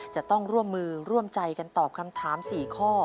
จะต้องร่วมมือร่วมใจกันตอบคำถาม๔ข้อ